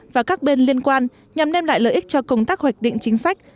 và các bên liên quan nhằm đem lại lợi ích cho công tác hoạch định chính sách